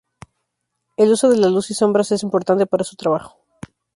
El uso de la luz y sombras es importante para su trabajo.